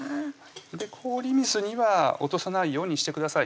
氷水には落とさないようにしてください